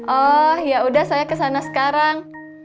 oh ya udah saya kesana sekarang